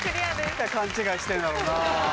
何で勘違いしてんだろうな。